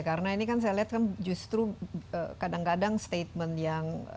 karena ini kan saya lihat kan justru kadang kadang statement yang